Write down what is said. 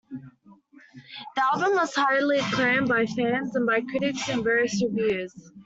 The album was highly acclaimed by fans and by critics in various reviews.